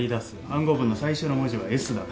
暗号文の最初の文字は「Ｓ」だ。